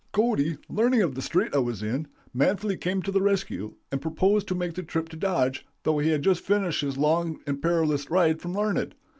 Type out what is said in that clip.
Cody, learning of the strait I was in, manfully came to the rescue, and proposed to make the trip to Dodge, though he had just finished his long and perilous ride from Larned.